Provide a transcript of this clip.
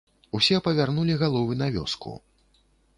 Усе павярнулі галовы на вёску.